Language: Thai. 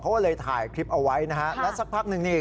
เขาก็เลยถ่ายคลิปเอาไว้นะฮะแล้วสักพักหนึ่งนี่